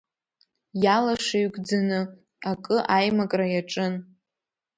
Иалашыҩкӡаны акы аимакра иаҿын.